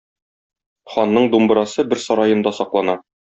Ханның думбрасы бер сараенда саклана.